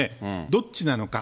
どっちなのか。